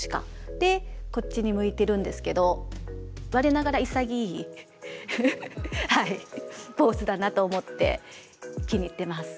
でこっちに向いてるんですけど我ながら潔いポーズだなと思って気に入ってます。